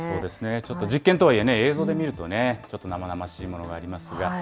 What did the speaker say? ちょっと実験とはいえ映像で見ると、ちょっと生々しいものがありますが。